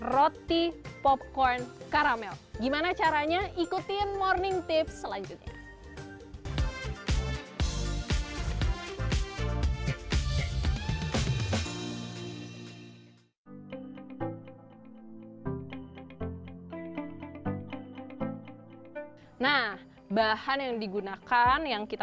roti popcorn karamel gimana caranya ikutin morning tips selanjutnya nah bahan yang digunakan yang kita